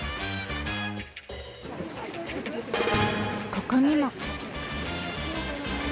ここにも！